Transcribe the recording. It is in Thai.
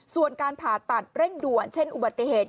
ส่วนการผ่าตัดเร่งด่วนเช่นอุบัติเหตุ